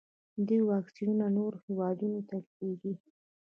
دوی واکسینونه نورو هیوادونو ته لیږي.